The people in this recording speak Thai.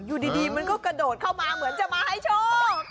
อยู่ดีมันก็กระโดดเข้ามาเหมือนจะมาให้โชค